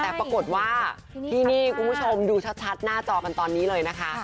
แต่ปรากฏว่าที่นี่คุณผู้ชมดูชัดหน้าจอกันตอนนี้เลยนะคะ